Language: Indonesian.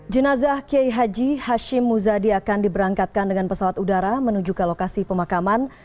jenazah kiai haji hashim muzadi akan diberangkatkan dengan pesawat udara menuju ke lokasi pemakaman